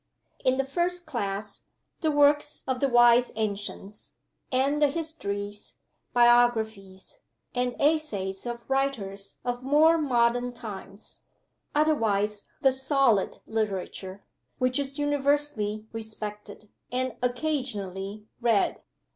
In the first class, the works of the wise ancients; and the Histories, Biographies, and Essays of writers of more modern times otherwise the Solid Literature, which is universally respected, and occasionally read.